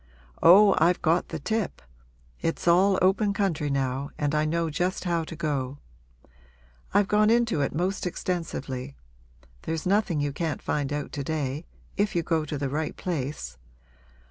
Oh, I've got the tip! It's all open country now and I know just how to go. I've gone into it most extensively; there's nothing you can't find out to day if you go to the right place.